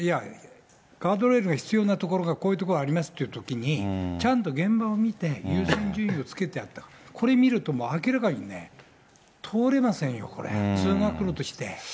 ガードレールが必要な所が、こういう所ありますっていうときに、ちゃんと現場を見て、優先順位をつけてあげて、これ見ると、もう明らかにね、通れませんよ、これ、通学路として。